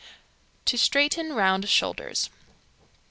To Straighten Round Shoulders.